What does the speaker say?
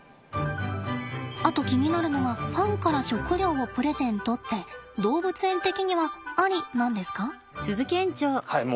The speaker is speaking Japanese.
あと気になるのがファンから食料をプレゼントって動物園的にはアリなんですか？